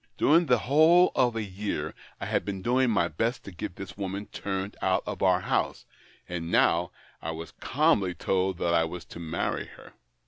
During the whole of a year I had been doing my best to get this woman turned out of our house — and now I was calmly told that I was to marry her.